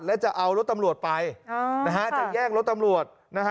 และจะเอารถตำรวจไปอ๋อนะฮะจะแยกรถตำรวจ